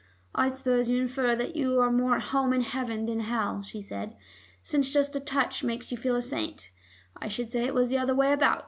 "I suppose you infer that you are more at home in heaven than hell," she said, "since just a touch makes you feel a saint. I should say it was the other way about.